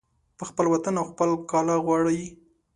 په خپل وطن او خپل کاله غواړي